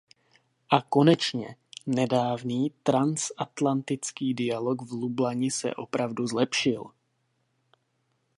A konečně, nedávný transatlantický dialog v Lublani se opravdu zlepšil.